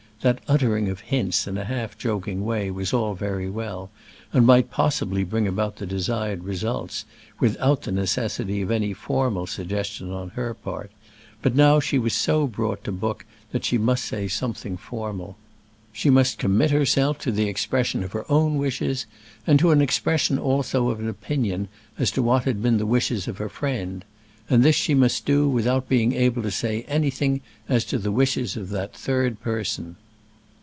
That uttering of hints in a half joking way was all very well, and might possibly bring about the desired result, without the necessity of any formal suggestion on her part; but now she was so brought to book that she must say something formal. She must commit herself to the expression of her own wishes, and to an expression also of an opinion as to what had been the wishes of her friend; and this she must do without being able to say anything as to the wishes of that third person.